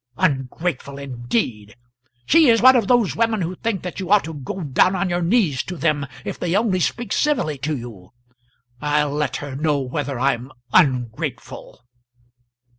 Ungrateful, indeed! She is one of those women who think that you ought to go down on your knees to them if they only speak civilly to you. I'll let her know whether I'm ungrateful."